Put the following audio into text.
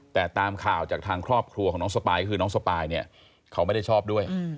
แต่ตามข่าวจากทางครอบครัวของน้องสปายก็คือน้องสปายเนี่ยเขาไม่ได้ชอบด้วย